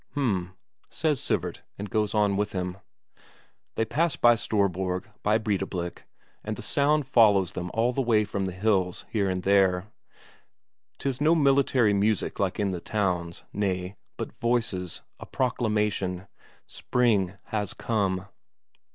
"H'm," says Sivert, and goes on with him. They pass by Storborg, by Breidablik, and the sound follows them all the way from the hills here and there; 'tis no military music like in the towns, nay, but voices a proclamation: Spring has come.